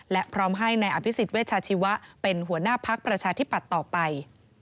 และพร้อมให้นายอภิษฎเวชาชีวะเป็นหัวหน้าพักประชาธิปัตย์ต่อไป